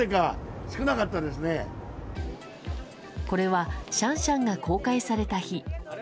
これはシャンシャンが公開された日。